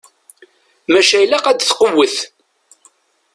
Maca ilaq ad tqewwet.